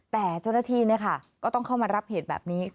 แต่จุดที่นะคะก็ต้องเข้ามารับเหตุแบบนี้